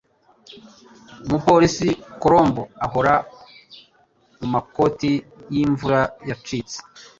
Umupolisi Columbo ahora mumakoti yimvura yacitse.